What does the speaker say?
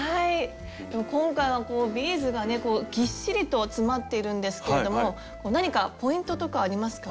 今回はこうビーズがねぎっしりと詰まっているんですけれども何かポイントとかありますか？